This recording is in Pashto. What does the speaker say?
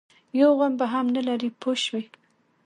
یو غم به هم نه لري پوه شوې!.